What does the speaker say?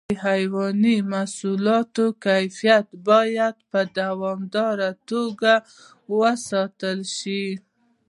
د حیواني محصولاتو کیفیت باید په دوامداره توګه وساتل شي.